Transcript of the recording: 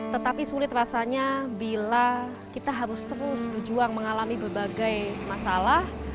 tetapi sulit rasanya bila kita harus terus berjuang mengalami berbagai masalah